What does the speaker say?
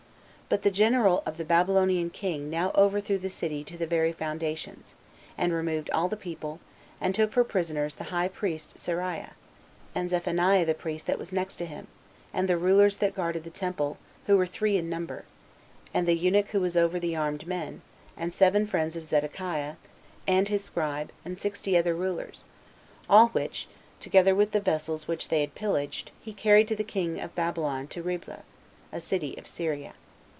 But the general of the Babylonian king now overthrew the city to the very foundations, and removed all the people, and took for prisoners the high priest Seraiah, and Zephaniah the priest that was next to him, and the rulers that guarded the temple, who were three in number, and the eunuch who was over the armed men, and seven friends of Zedekiah, and his scribe, and sixty other rulers; all which, together with the vessels which they had pillaged, he carried to the king of Babylon to Riblah, a city of Syria.